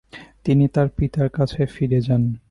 তিনি তার পিতার কাছে ফিরে যান।